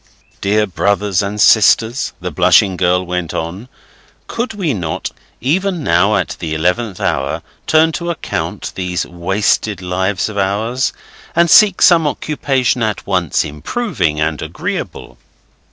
'"Dear brothers and sisters," the blushing girl went on, "could we not, even now, at the eleventh hour, turn to account these wasted lives of ours, and seek some occupation at once improving and agreeable?"